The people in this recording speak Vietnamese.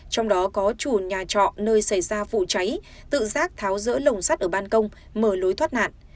trong đó có chủ nhà trọ nơi xảy ra vụ cháy tự giác tháo rỡ lồng sắt ở ban công mở lối thoát nạn